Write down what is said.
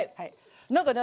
なんかね